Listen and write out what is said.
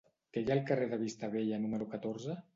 Què hi ha al carrer de Vista Bella número catorze?